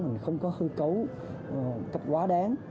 mà không có hư cấu cách quá đáng